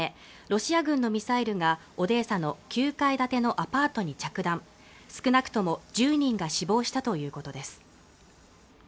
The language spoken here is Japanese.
ロシア軍のミサイルがオデーサの９階建てのアパートに着弾少なくとも１０人が死亡したということです